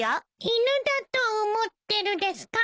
犬だと思ってるですか？